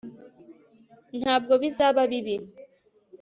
ntabwo bizaba bibi